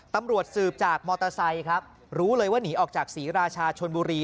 ตำรวจสืบจากมอเตอร์ไซค์ครับรู้เลยว่าหนีออกจากศรีราชาชนบุรี